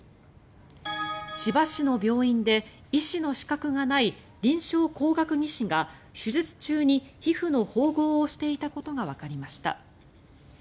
千葉市の病院で医師の資格がない臨床工学技士が手術中に皮膚の縫合をしていたことがわかりました。